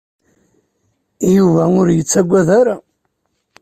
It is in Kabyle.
Yuba ur yettaggad ara.